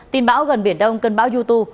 tin báo gần biển đông cân báo du tu